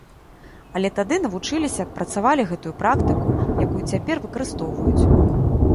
Але тады навучыліся, адпрацавалі гэтую практыку, якую цяпер выкарыстоўваюць.